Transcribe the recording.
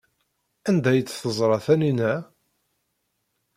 Anda ay t-teẓra Taninna?